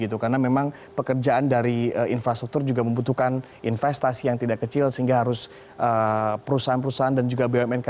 ini lebih baik